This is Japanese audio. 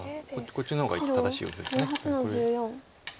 こっちの方が正しいヨセです。